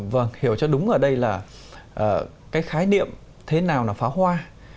vâng hiểu cho đúng ở đây là cái khái niệm thế nào là pháo hoa